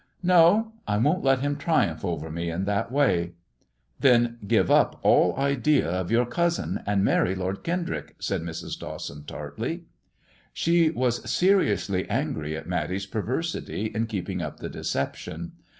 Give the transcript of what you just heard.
" No. I won't let him triumph over me in that way !"" Then give up all idea of your cousin, and marry Lord Kendrick," said Mrs. Dawson, tartly. She was seriously angry at Matty's perversity in keeping up the deception.